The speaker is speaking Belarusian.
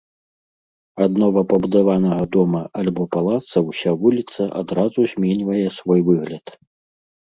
Ад новапабудаванага дома альбо палаца ўся вуліца адразу зменьвае свой выгляд.